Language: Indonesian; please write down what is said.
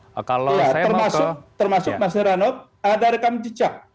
termasuk mas heranok ada rekam jejak